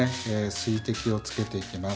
水滴をつけていきます。